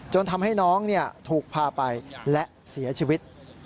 ทำให้น้องถูกพาไปและเสียชีวิต